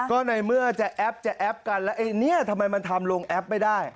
ก็ในเมื่อจะแอปจะแอปกันแล้วไอ้เนี่ยทำไมมันทำลงแอปไม่ได้